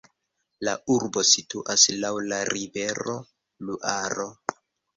La urbo situas laŭ la rivero Luaro.